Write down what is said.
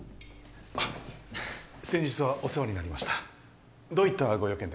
先日はお世話になりましたどういったご用件で？